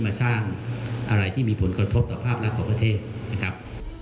มาสร้างอะไรที่มีผลกระทบต่อภาพลักษณ์ของประเทศนะครับ